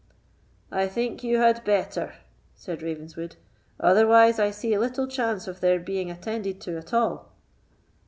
"I think you had better," said Ravenswood, "otherwise I see little chance of their being attended to at all."